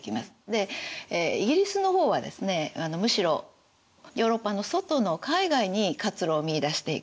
でイギリスの方はですねむしろヨーロッパの外の海外に活路を見いだしていく。